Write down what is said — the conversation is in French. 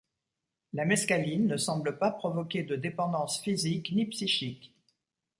La mescaline ne semble pas provoquer de dépendance physique ni psychique.